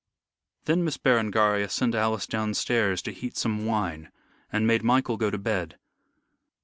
Then Miss Berengaria sent Alice downstairs to heat some wine, and made Michael go to bed.